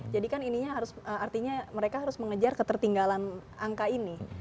jadi kan artinya mereka harus mengejar ketertinggalan angka ini